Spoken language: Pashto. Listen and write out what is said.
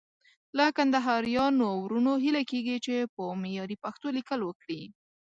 له کندهاريانو وروڼو هيله کېږي چې په معياري پښتو ليکل وکړي.